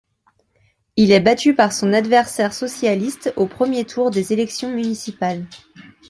Il est battu par son adversaire socialiste, au premier tour des élections municipales.